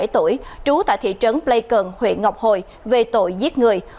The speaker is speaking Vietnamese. ba mươi bảy tuổi trú tại thị trấn pleiades